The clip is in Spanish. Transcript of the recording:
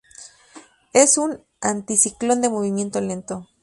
Es un anticiclón de movimiento lento.